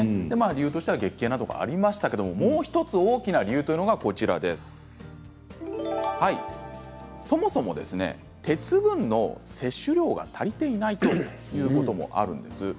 理由としては月経などがありましたけれどももう１つ、大きな理由というのがそもそも鉄分の摂取量が足りていないということもあるんです。